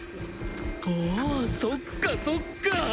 おおそっかそっか！